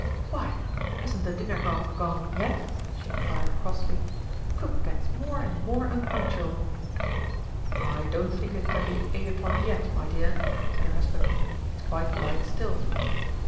"Why, hasn't the dinner gong gone yet?" she inquired crossly. "Cook gets more and more unpunctual!" "I don't think it can be eight o'clock yet, my dear," said her husband, "it's quite light still."